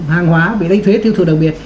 hàng hóa bị đánh thuế tiêu thụ đặc biệt